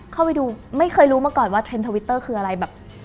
เข้าไปดูไม่เคยรู้มาก่อนว่าเทรนดทวิตเตอร์คืออะไรแบบ